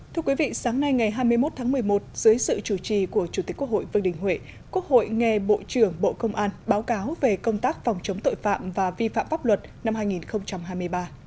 thưa quý vị sáng nay ngày hai mươi một tháng một mươi một dưới sự chủ trì của chủ tịch quốc hội vương đình huệ quốc hội nghe bộ trưởng bộ công an báo cáo về công tác phòng chống tội phạm và vi phạm pháp luật năm hai nghìn hai mươi ba